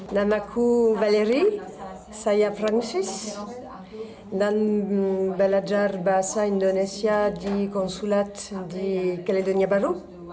nama saya valery saya fransis dan belajar bahasa indonesia di konsulat di kalidonia baru